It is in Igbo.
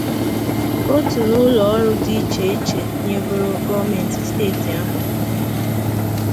òtù na ụlọọrụ dị iche iche nyegoro gọọmenti steeti ahụ